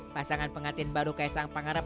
pasangan pengantin baru kaisang pangarep